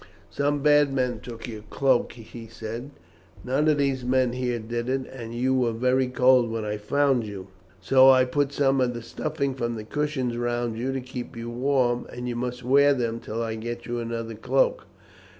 "Some bad men took your cloak," he said; "none of these men here did it; and you were very cold when I found you, so I put some of the stuffing from the cushions round you to keep you warm, and you must wear them till I can get you another cloak.